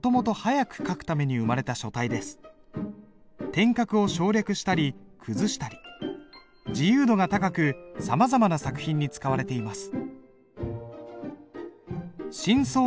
点画を省略したり崩したり自由度が高くさまざまな作品に使われています。